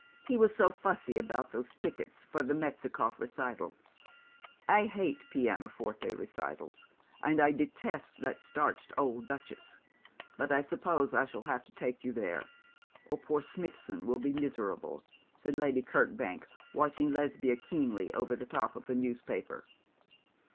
He was so fussy about those tickets for the Metzikoff recital. I hate pianoforte recitals, and I detest that starched old duchess, but I suppose I shall have to take you there or poor Smithson will be miserable,' said Lady Kirkbank, watching Lesbia keenly over the top of the newspaper.